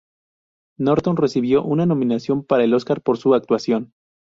Norton recibió una nominación para el Óscar por su actuación.